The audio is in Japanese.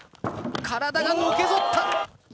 体がのけ反った！